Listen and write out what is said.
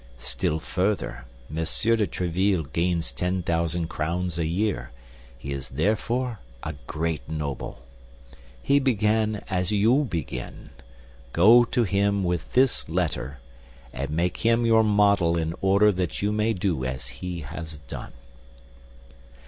Still further, Monsieur de Tréville gains ten thousand crowns a year; he is therefore a great noble. He began as you begin. Go to him with this letter, and make him your model in order that you may do as he has done."